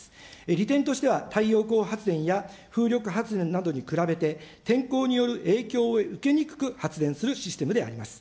利点としては太陽光発電や風力発電などに比べて天候による影響を受けにくく発電するシステムであります。